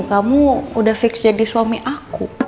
kamu udah fix jadi suami aku